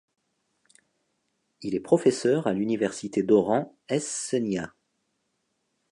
Il est professeur à l'université d'Oran Es-Senia.